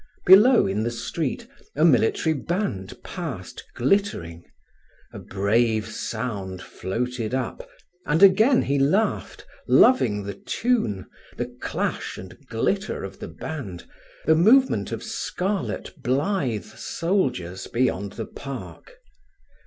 Below, in the street, a military band passed glittering. A brave sound floated up, and again he laughed, loving the tune, the clash and glitter of the band, the movement of scarlet, blithe soldiers beyond the park.